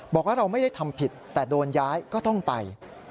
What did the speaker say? บอกว่าเราไม่ได้ทำผิดแต่โดนย้ายก็ต้องไป